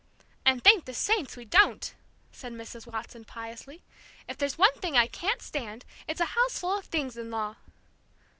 "And thank the saints we don't!" said Mrs. Watson, piously. "If there's one thing I can't stand, it's a houseful of things in law!"